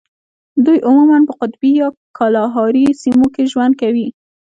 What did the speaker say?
دوی عموماً په قطبي یا کالاهاري سیمو کې ژوند کوي.